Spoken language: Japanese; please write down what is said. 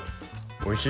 おいしい！